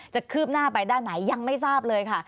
คืบหน้าไปด้านไหนยังไม่ทราบเลยค่ะ